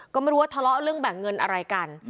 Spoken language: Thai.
ก็ไม่รู้ว่าทะเลาะเรื่องแบ่งเงินอะไรกัน